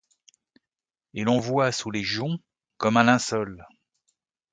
Et l'on voit, sous les joncs comme sous un linceul